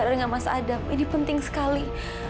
ada dengan mas adam ini penting sekali